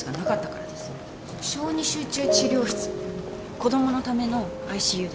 子供のためのＩＣＵです。